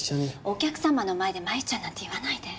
お客様の前で繭ちゃんなんて言わないで。